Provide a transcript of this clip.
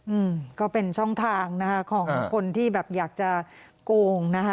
อืมก็เป็นช่องทางนะคะของคนที่แบบอยากจะโกงนะคะ